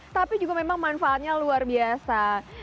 tapi juga memang manfaatnya luar biasa